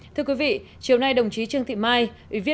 thưa quý vị chiều nay đồng chí trương thị mai